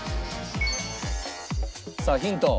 さあヒント。